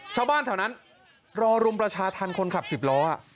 ชาวบ้านแถวนั้นรอรุมประชาธรรมคนขับสิบล้อ